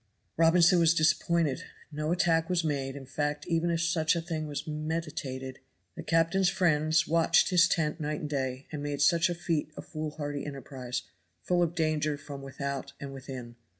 Robinson was disappointed, no attack was made; in fact, even if such a thing was meditated, the captain's friends watched his tent night and day, and made such a feat a foolhardy enterprise, full of danger from without and within.